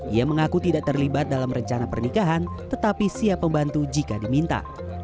ia mengaku tidak terlibat dalam rencana pernikahan tetapi siap membantu jika diminta